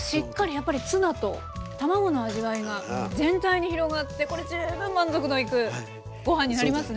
やっぱりツナと卵の味わいが全体に広がってこれ十分満足のいくごはんになりますね。